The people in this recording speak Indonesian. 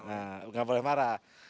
tidak boleh marah